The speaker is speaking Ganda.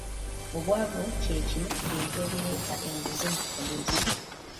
Obwavu kye kimu ku bintu ebireeta enguzi mu poliisi.